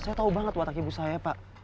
saya tahu banget watak ibu saya pak